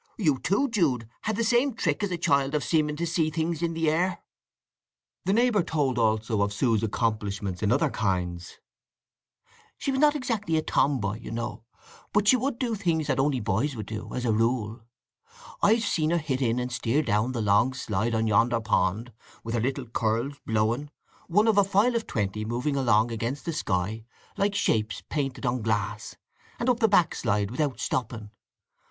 You too, Jude, had the same trick as a child of seeming to see things in the air." The neighbour told also of Sue's accomplishments in other kinds: "She was not exactly a tomboy, you know; but she could do things that only boys do, as a rule. I've seen her hit in and steer down the long slide on yonder pond, with her little curls blowing, one of a file of twenty moving along against the sky like shapes painted on glass, and up the back slide without stopping.